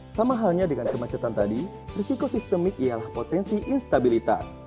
sama halnya dengan kemacetan tadi risiko sistemik ialah potensi instabilitas